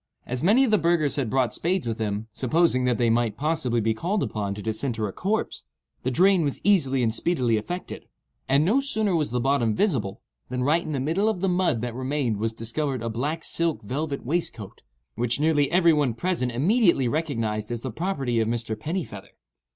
As many of the burghers had brought spades with them, supposing that they might possibly be called upon to disinter a corpse, the drain was easily and speedily effected; and no sooner was the bottom visible, than right in the middle of the mud that remained was discovered a black silk velvet waistcoat, which nearly every one present immediately recognized as the property of Mr. Pennifeather.